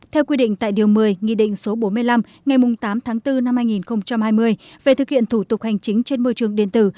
theo quy định tại điều một mươi nghị định số bốn mươi năm ngày tám tháng bốn năm hai nghìn hai mươi về thực hiện thủ tục hành chính trên môi trường điện tử